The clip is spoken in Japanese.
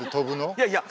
いやいや！